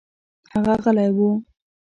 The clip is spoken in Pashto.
هغه غلى و.